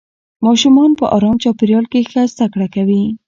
ماشومان په ارام چاپېریال کې ښه زده کړه کوي